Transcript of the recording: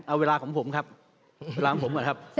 เอาเวลาของผมครับล้างผมก่อนครับ